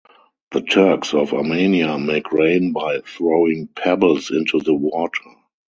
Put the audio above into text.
The Turks of Armenia make rain by throwing pebbles into the water.